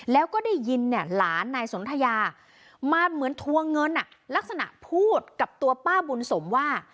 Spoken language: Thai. แล้วก็ได้ยินเนี่ยหลานนายสนทยามาเหมือนทวงเงินลักษณะพูดกับตัวป้าบุญสมว่า